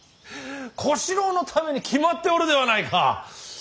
小四郎のために決まっておるではないか。